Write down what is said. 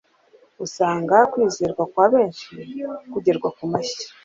usanga kwizerwa kwa benshi kugerwa ku mashyi